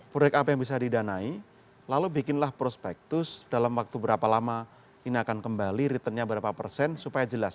proyek apa yang bisa didanai lalu bikinlah prospektus dalam waktu berapa lama ini akan kembali returnnya berapa persen supaya jelas